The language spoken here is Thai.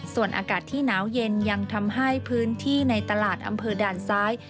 ส่วนอากาศที่หนาวเย็นยังทำให้พื้นที่ในตลาดอำเภอด่านซ้าย